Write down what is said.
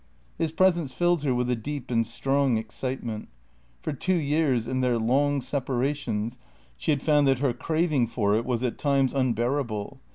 His presence filled her with a deep and strong excitement. For two years, in their long separations, she had found that her craving for it was at times unbearable.